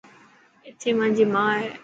اٿي مانجي ماٺ هي.